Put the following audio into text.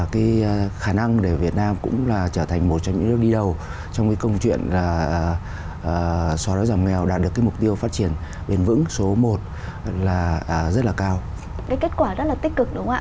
kết quả rất tích cực đúng không ạ